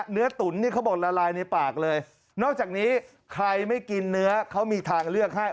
ตุ๋นนี่เขาบอกละลายในปากเลยนอกจากนี้ใครไม่กินเนื้อเขามีทางเลือกให้